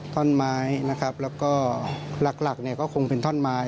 ท่อนหมายและก็หลักก็คงเป็นท่อนหมาย